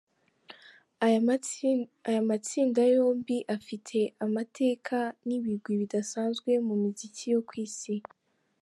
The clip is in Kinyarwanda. Aya matsinda yombi, afite amateka n’ibigwi bidasanzwe mu muziki wo ku Isi.